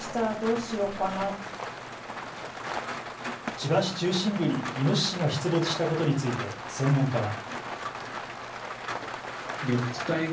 千葉市中心部にイノシシが出没したことについて専門家は。